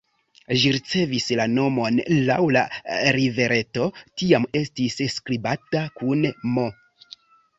Ĝi ricevis la nomon laŭ la rivereto, tiam estis skribata kun "m".